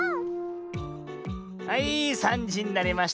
はい３じになりました。